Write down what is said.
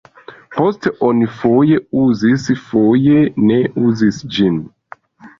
Poste oni foje uzis, foje ne uzis ĝin.